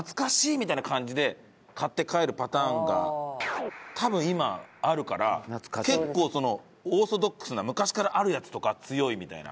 みたいな感じで買って帰るパターンが多分今あるから結構オーソドックスな昔からあるやつとか強いみたいな。